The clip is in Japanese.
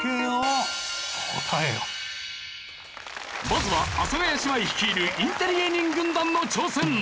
まずは阿佐ヶ谷姉妹率いるインテリ芸人軍団の挑戦。